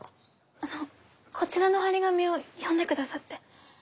あのこちらの貼り紙を読んでくださって。